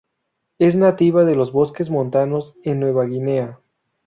Es nativa de los bosques montanos en Nueva Guinea.